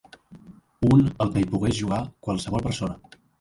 Un al que hi pogués jugar qualsevol persona.